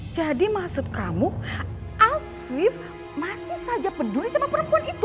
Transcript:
jadi maksud kamu afif masih saja peduli sama perempuan itu gitu